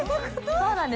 そうなんです。